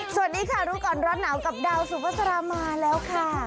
สวัสดีค่ะรู้ก่อนร้อนหนาวกับดาวสุภาษามาแล้วค่ะ